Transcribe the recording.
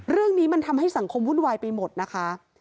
เรื่องนี้มันทำให้สังคมวุ่นวายไปหมดนะคะ